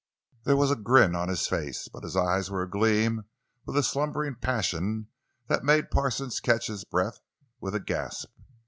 There was a grin on his face, but his eyes were agleam with a slumbering passion that made Parsons catch his breath with a gasp.